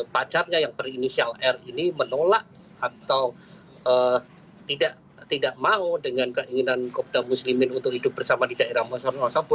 pacarnya yang berinisial r ini menolak atau tidak mau dengan keinginan kopda muslimin untuk hidup bersama di daerah wonosobo